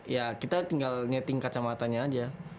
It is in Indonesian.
ya kita tinggal ngetik kacamata nya aja